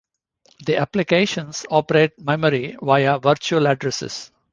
The applications operate memory via "virtual addresses".